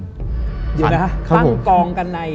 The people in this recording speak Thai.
อยู่นะครับทั้งกองกันใน